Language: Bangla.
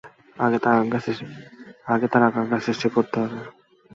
আগে তার আকাঙ্ক্ষা সৃষ্টি করতে হবে।